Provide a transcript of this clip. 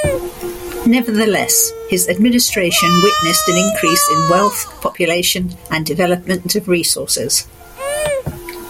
Nevertheless, his administration witnessed an increase in wealth, population, and development of resources.